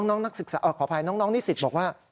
นักศึกษาขออภัยน้องนิสิตบอกว่า